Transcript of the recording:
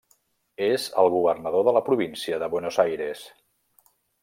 És el governador de la província de Buenos Aires.